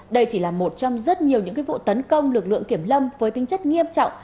đây chỉ là một trong rất nhiều những vụ tấn công lực lượng kiểm lâm với tính chất nghiêm trọng